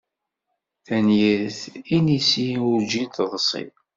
Tanyirt inisi urǧin teḍsi.